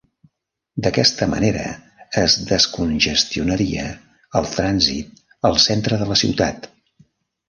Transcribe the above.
D'aquesta manera es descongestionaria el trànsit al centre de la ciutat.